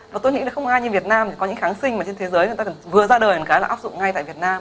và tôi nghĩ là không ai như việt nam thì có những kháng sinh mà trên thế giới người ta vừa ra đời một cái là áp dụng ngay tại việt nam